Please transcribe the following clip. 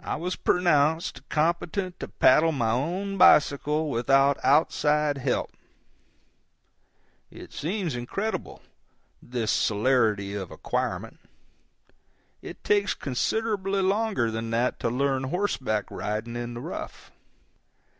I was pronounced competent to paddle my own bicycle without outside help. It seems incredible, this celerity of acquirement. It takes considerably longer than that to learn horseback riding in the rough.